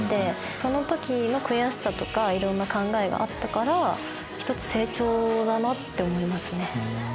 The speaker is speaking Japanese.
その時の悔しさとかいろんな考えがあったから１つ成長だなって思いますね。